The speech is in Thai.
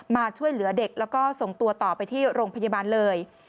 มาช่วยเหลือเด็กแล้วก็ส่งตัวต่อไปที่โรงพยาบาลเลย